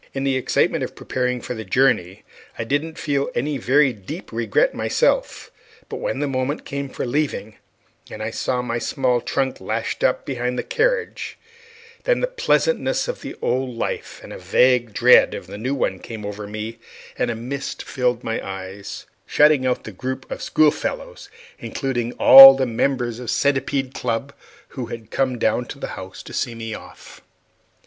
In the excitement of preparing for the journey I didn't feel any very deep regret myself. But when the moment came for leaving, and I saw my small trunk lashed up behind the carriage, then the pleasantness of the old life and a vague dread of the new came over me, and a mist filled my eyes, shutting out the group of schoolfellows, including all the members of the Centipede Club, who had come down to the house to see me off.